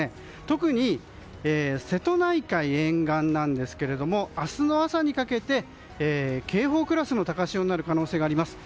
特に、瀬戸内海沿岸ですが明日の朝にかけて警報クラスの高潮になる可能性があります。